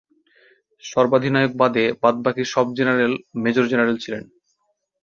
সর্বাধিনায়ক বাদে বাদবাকি সব জেনারেল মেজর-জেনারেল ছিলেন।